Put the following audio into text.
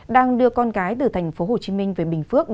đang đưa con gái từ tp hcm về bình phước